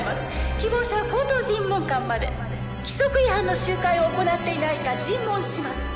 希望者は高等尋問官まで規則違反の集会を行っていないか尋問します